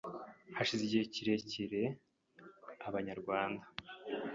Hashize igihe kirekire Abanyarwanda